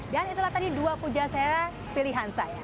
dan itulah tadi dua puja sera pilihan saya